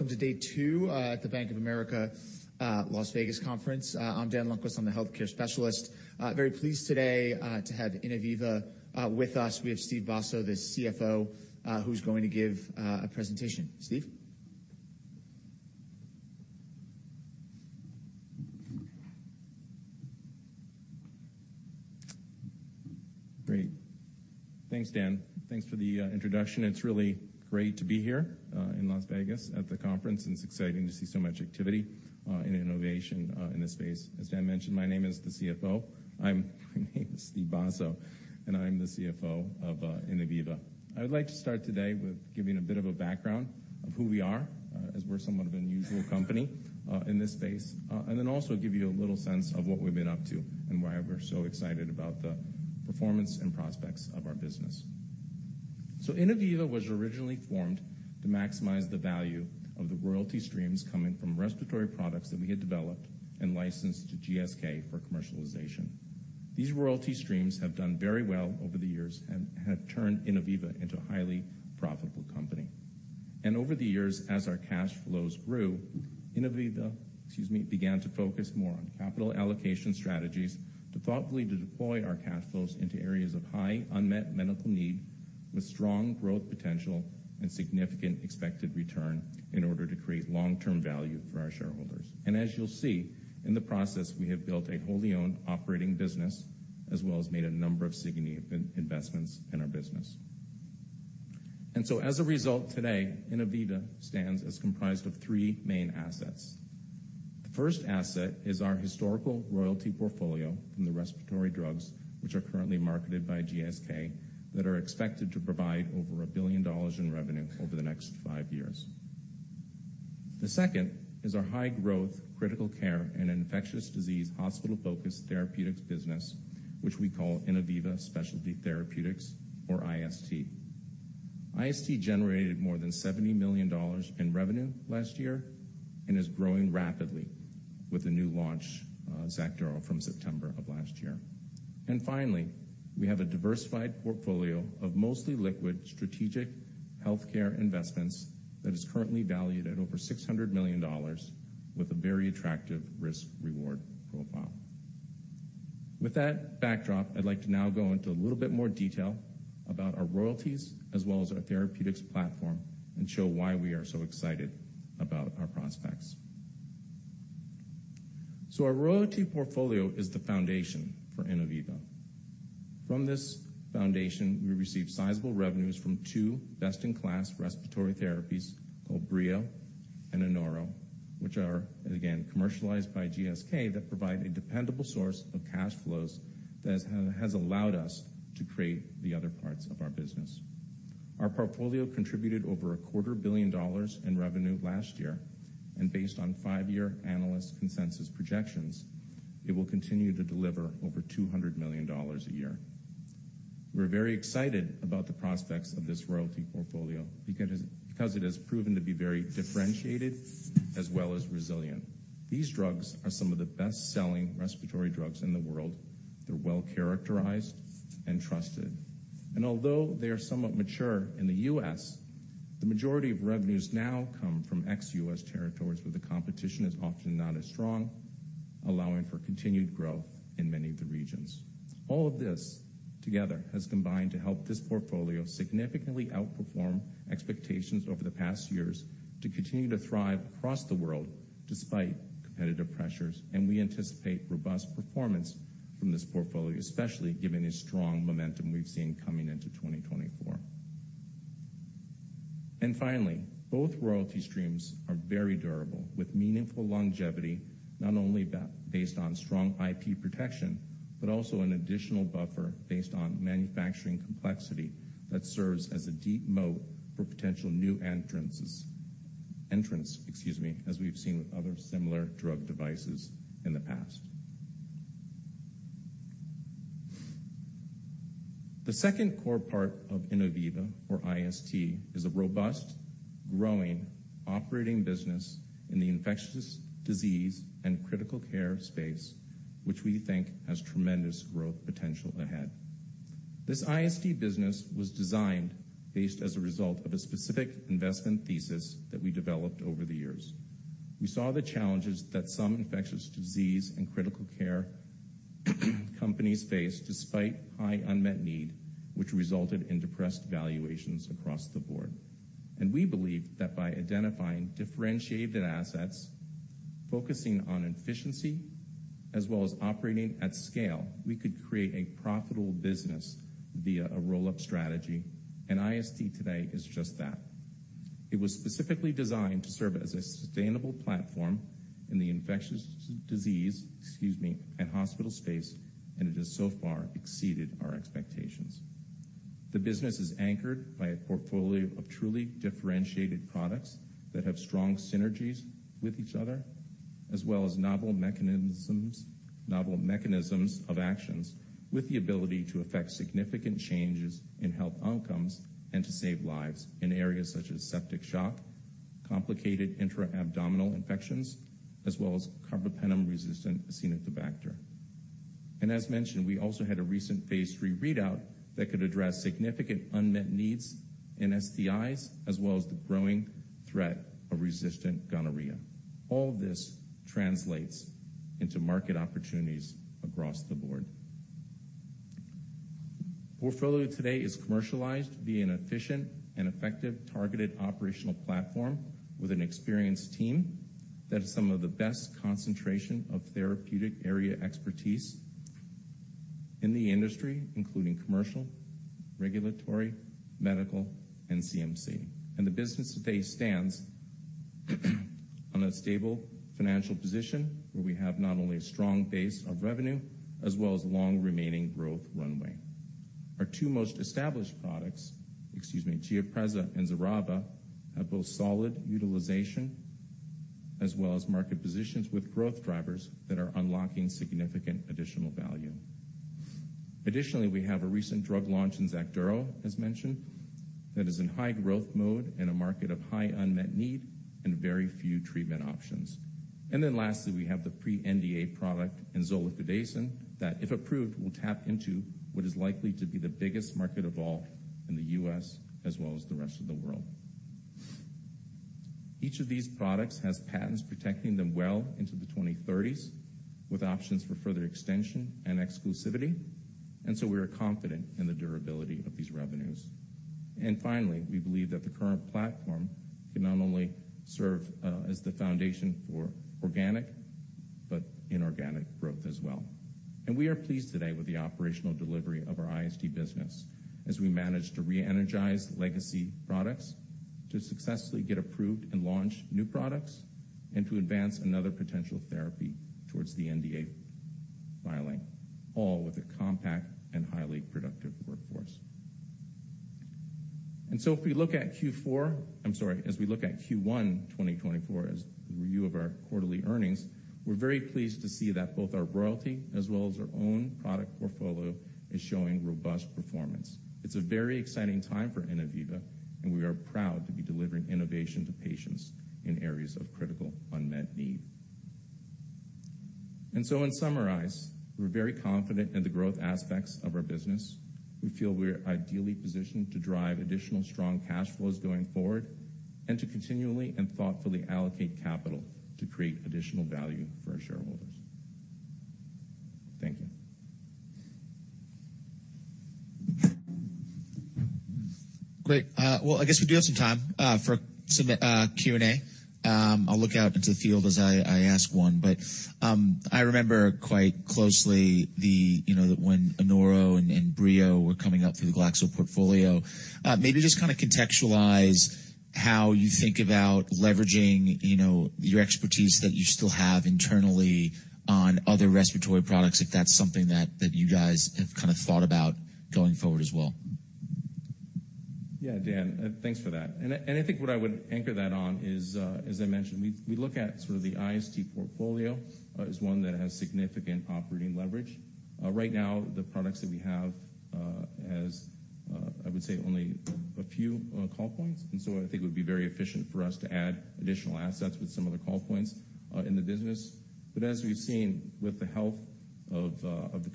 Welcome to day two at the Bank of America Las Vegas conference. I'm Dan Lundquist, I'm the healthcare specialist. Very pleased today to have Innoviva with us. We have Steve Basso, the CFO, who's going to give a presentation. Steve? Great. Thanks, Dan. Thanks for the introduction. It's really great to be here in Las Vegas at the conference, and it's exciting to see so much activity and innovation in this space. As Dan mentioned, my name is the CFO. My name is Steve Basso, and I'm the CFO of Innoviva. I'd like to start today with giving a bit of a background of who we are, as we're somewhat of an unusual company in this space. And then also give you a little sense of what we've been up to and why we're so excited about the performance and prospects of our business. So Innoviva was originally formed to maximize the value of the royalty streams coming from respiratory products that we had developed and licensed to GSK for commercialization. These royalty streams have done very well over the years and have turned Innoviva into a highly profitable company. And over the years, as our cash flows grew, Innoviva, excuse me, began to focus more on capital allocation strategies to thoughtfully deploy our cash flows into areas of high unmet medical need, with strong growth potential and significant expected return, in order to create long-term value for our shareholders. And as you'll see, in the process, we have built a wholly owned operating business, as well as made a number of significant investments in our business. And so as a result, today, Innoviva stands as comprised of three main assets. The first asset is our historical royalty portfolio in the respiratory drugs, which are currently marketed by GSK, that are expected to provide over $1 billion in revenue over the next five years. The second is our high-growth, critical care and infectious disease, hospital-focused therapeutics business, which we call Innoviva Specialty Therapeutics, or IST. IST generated more than $70 million in revenue last year and is growing rapidly with the new launch, XACDURO, from September of last year. Finally, we have a diversified portfolio of mostly liquid, strategic healthcare investments that is currently valued at over $600 million, with a very attractive risk-reward profile. With that backdrop, I'd like to now go into a little bit more detail about our royalties as well as our therapeutics platform, and show why we are so excited about our prospects. Our royalty portfolio is the foundation for Innoviva. From this foundation, we receive sizable revenues from two best-in-class respiratory therapies, BREO and ANORO, which are, again, commercialized by GSK, that provide a dependable source of cash flows that has allowed us to create the other parts of our business. Our portfolio contributed over $250 million dollars in revenue last year, and based on five-year analyst consensus projections, it will continue to deliver over $200 million a year. We're very excited about the prospects of this royalty portfolio because it has proven to be very differentiated as well as resilient. These drugs are some of the best-selling respiratory drugs in the world. They're well-characterized and trusted, and although they are somewhat mature in the U.S., the majority of revenues now come from ex-U.S. territories, where the competition is often not as strong, allowing for continued growth in many of the regions. All of this together has combined to help this portfolio significantly outperform expectations over the past years to continue to thrive across the world despite competitive pressures, and we anticipate robust performance from this portfolio, especially given the strong momentum we've seen coming into 2024. Finally, both royalty streams are very durable with meaningful longevity not only based on strong IP protection, but also an additional buffer based on manufacturing complexity that serves as a deep moat for potential new entrances, entrants, excuse me, as we've seen with other similar drug devices in the past. The second core part of Innoviva, or IST, is a robust, growing, operating business in the infectious disease and critical care space, which we think has tremendous growth potential ahead. This IST business was designed based as a result of a specific investment thesis that we developed over the years. We saw the challenges that some infectious disease and critical care companies face despite high unmet need, which resulted in depressed valuations across the board. We believe that by identifying differentiated assets, focusing on efficiency, as well as operating at scale, we could create a profitable business via a roll-up strategy, and IST today is just that. It was specifically designed to serve as a sustainable platform in the infectious disease, excuse me, and hospital space, and it has so far exceeded our expectations. The business is anchored by a portfolio of truly differentiated products that have strong synergies with each other, as well as novel mechanisms, novel mechanisms of actions, with the ability to affect significant changes in health outcomes and to save lives in areas such as septic shock, complicated intra-abdominal infections, as well as carbapenem-resistant Acinetobacter. And as mentioned, we also had a recent phase III readout that could address significant unmet needs in STIs, as well as the growing threat of resistant gonorrhea. All this translates into market opportunities across the board. Portfolio today is commercialized via an efficient and effective targeted operational platform with an experienced team that has some of the best concentration of therapeutic area expertise in the industry, including commercial, regulatory, medical, and CMC. The business today stands on a stable financial position, where we have not only a strong base of revenue as well as long-remaining growth runway. Our two most established products, excuse me, GIAPREZA and XERAVA, have both solid utilization as well as market positions with growth drivers that are unlocking significant additional value. Additionally, we have a recent drug launch in XACDURO, as mentioned, that is in high growth mode, in a market of high unmet need and very few treatment options. And then lastly, we have the pre-NDA product in zoliflodacin, that, if approved, will tap into what is likely to be the biggest market of all in the US as well as the rest of the world. Each of these products has patents protecting them well into the 2030s, with options for further extension and exclusivity, and so we are confident in the durability of these revenues. And finally, we believe that the current platform can not only serve as the foundation for organic, but inorganic growth as well. And we are pleased today with the operational delivery of our IST business, as we manage to reenergize legacy products, to successfully get approved and launch new products, and to advance another potential therapy towards the NDA filing, all with a compact and highly productive workforce. And so if we look at Q4, I'm sorry, as we look at Q1 2024 as the review of our quarterly earnings, we're very pleased to see that both our royalty as well as our own product portfolio is showing robust performance. It's a very exciting time for Innoviva, and we are proud to be delivering innovation to patients in areas of critical unmet need. And so, in summary, we're very confident in the growth aspects of our business. We feel we're ideally positioned to drive additional strong cash flows going forward and to continually and thoughtfully allocate capital to create additional value for our shareholders. Thank you. Great. Well, I guess we do have some time for some Q&A. I'll look out into the field as I ask one, but I remember quite closely the, you know, when ANORO and BREO were coming up through the Glaxo portfolio. Maybe just kind of contextualize how you think about leveraging, you know, your expertise that you still have internally on other respiratory products, if that's something that you guys have kind of thought about going forward as well. Yeah, Dan, thanks for that. I think what I would anchor that on is, as I mentioned, we look at sort of the IST portfolio as one that has significant operating leverage. Right now, the products that we have has I would say only a few call points, and so I think it would be very efficient for us to add additional assets with some of the call points in the business. But as we've seen with the health of the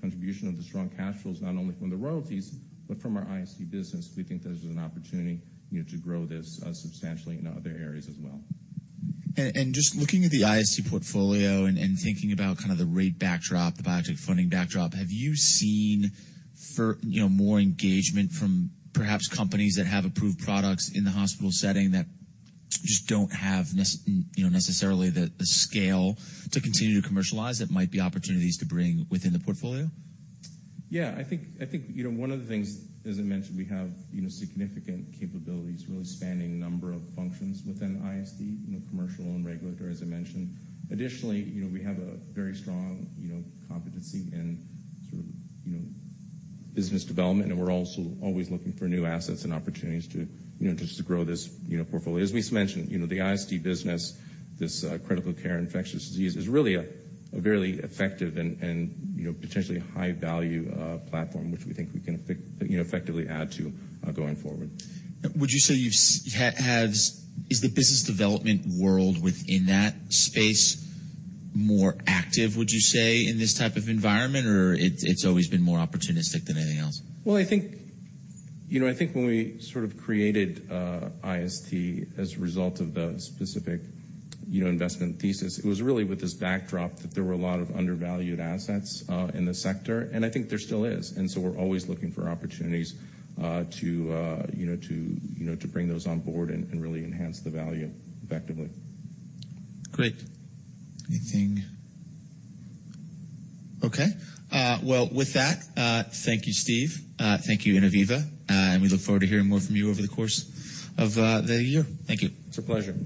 contribution of the strong cash flows, not only from the royalties but from our IST business, we think there's an opportunity, you know, to grow this substantially in other areas as well. Just looking at the IST portfolio and thinking about kind of the rate backdrop, the biotech funding backdrop, have you seen, you know, more engagement from perhaps companies that have approved products in the hospital setting that just don't have, you know, necessarily the scale to continue to commercialize, that might be opportunities to bring within the portfolio? Yeah, I think, you know, one of the things, as I mentioned, we have, you know, significant capabilities really spanning a number of functions within IST, you know, commercial and regulatory, as I mentioned. Additionally, you know, we have a very strong, you know, competency in sort of, you know, business development, and we're also always looking for new assets and opportunities to, you know, just to grow this, you know, portfolio. As we mentioned, you know, the IST business, this critical care infectious disease is really a very effective and, you know, potentially high value platform, which we think we can effectively add to going forward. Would you say you have, is the business development world within that space more active, would you say, in this type of environment, or it's always been more opportunistic than anything else? Well, I think, you know, I think when we sort of created IST as a result of a specific, you know, investment thesis, it was really with this backdrop that there were a lot of undervalued assets in the sector, and I think there still is. And so we're always looking for opportunities to, you know, to bring those on board and really enhance the value effectively. Great. Well, with that, thank you, Steve. Thank you, Innoviva, and we look forward to hearing more from you over the course of the year. Thank you. It's a pleasure.